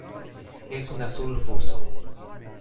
Es una azul ruso.